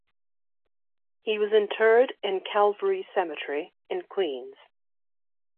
He was interred in Calvary Cemetery in Queens.